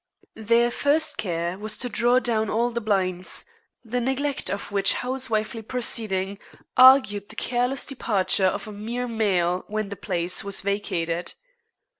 Their first care was to draw down all the blinds, the neglect of which housewifely proceeding argued the careless departure of a mere male when the place was vacated.